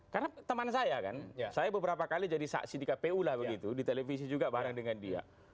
karena teman saya kan saya beberapa kali jadi saksi di kpu lah begitu di televisi juga bareng dengan dia